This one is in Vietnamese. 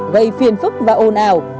gây phiền phức và ồn ào